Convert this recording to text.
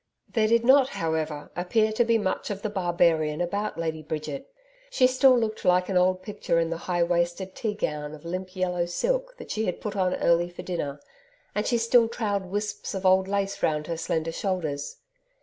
There did not, however, appear to be much of the barbarian about Lady Bridget. She still looked like an old picture in the high waisted tea gown of limp yellow silk that she had put on early for dinner, and she still trailed wisps of old lace round her slender shoulders.